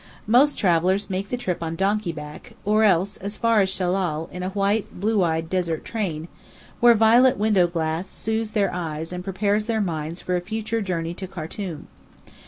Most travellers make the trip on donkey back; or else, as far as Shellal, in a white, blue eyed desert train, where violet window glass soothes their eyes and prepares their minds for a future journey to Khartum.